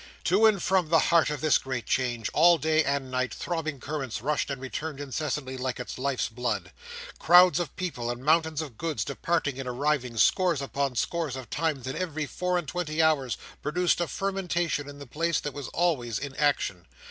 To and from the heart of this great change, all day and night, throbbing currents rushed and returned incessantly like its life's blood. Crowds of people and mountains of goods, departing and arriving scores upon scores of times in every four and twenty hours, produced a fermentation in the place that was always in action.